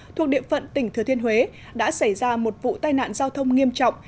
thuộc địa phận tỉnh thừa thiên huế đã xảy ra một vụ tai nạn giao thông nghiêm trọng